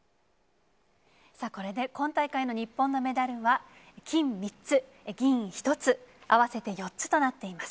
さあ、これで今大会の日本のメダルは、金３つ、銀１つ、合わせて４つとなっています。